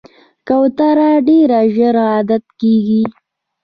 کوتره ډېر ژر عادت کېږي.